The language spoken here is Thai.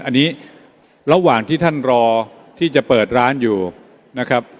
อันนี้ระหว่างที่ท่านรอที่จะเปิดร้านอยู่นะครับ